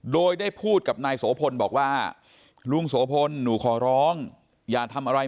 โดยได้พูดกับนายโสพลบอกว่าลุงโสพลหนูขอร้องอย่าทำอะไร